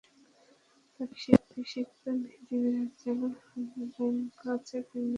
তাতে অভিষিক্ত মেহেদী মিরাজের যেমন অবদান আছে, আছে সাকিবের মতো অভিজ্ঞ বোলারেরও।